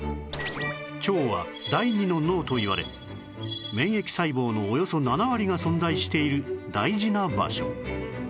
腸は第２の脳といわれ免疫細胞のおよそ７割が存在している大事な場所